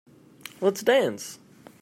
Let's dance.